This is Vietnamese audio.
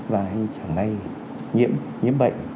và anh chẳng may nhiễm bệnh